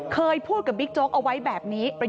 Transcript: เคยพูดกับบิ๊กโจ๊กเอาไว้แบบนี้